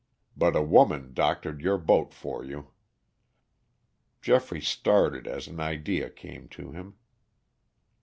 But a woman doctored your boat for you." Geoffrey started as an idea came to him.